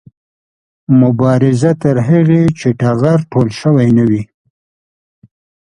مبارزه تر هغې چې ټغر ټول شوی نه وي